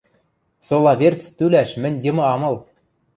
Сола верц тӱлӓш мӹнь йымы ам ыл...